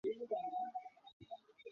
আমাদের কাছে প্রয়োজনীয় সব প্রমাণ আছে।